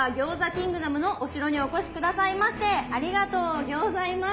キングダムのお城にお越し下さいましてありがとうギョーザいます。